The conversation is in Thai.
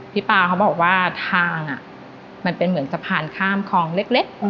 ป้าเขาบอกว่าทางมันเป็นเหมือนสะพานข้ามคลองเล็ก